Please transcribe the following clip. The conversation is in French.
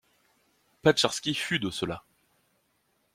Petcherski fut de ceux-là.